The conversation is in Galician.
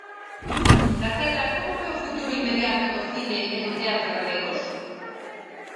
Daquela, como ve o futuro inmediato do cine e do teatro galegos?